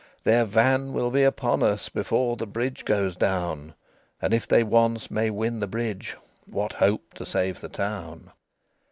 "Their van will be upon us Before the bridge goes down; And if they once may win the bridge, What hope to save the town?"